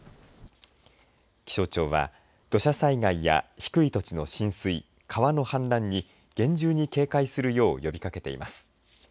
気象庁は、土砂災害や低い土地の浸水、川の氾濫に厳重に警戒するよう呼びかけています。